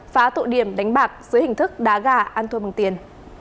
phá tụ điểm đánh bạc dưới hình thức đá gà ăn thua bằng tiền